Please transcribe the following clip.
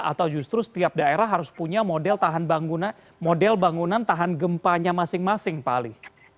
atau justru setiap daerah harus punya model bangunan tahan gempanya masing masing pak ali